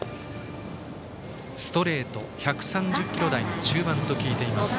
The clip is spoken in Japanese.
ストレート、１３０キロ台中盤と聞いています。